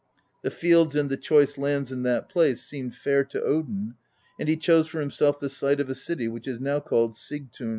The fields and the choice lands in that place seemed fair to Odin, and he chose for himself the site of a city which is now called Sigtun.